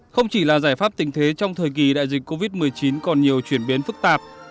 không chỉ là giải pháp tình thế trong thời kỳ đại dịch covid một mươi chín còn nhiều chuyển biến phức tạp